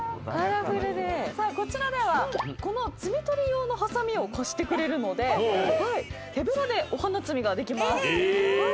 こちらでは摘み取り用のはさみを貸してくれるので手ぶらでお花摘みができます。